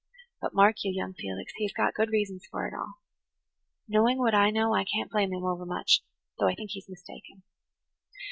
But, mark you, young Felix, he has got good reasons for it all. Knowing what I know, I can't blame him over much, though I think he's mistaken.